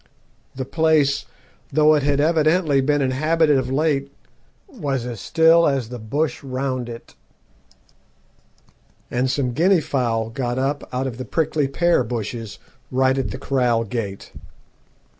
The place, though it had evidently been inhabited of late, was as still as the bush round it, and some guinea fowl got up out of the prickly pear bushes right at the kraal gate.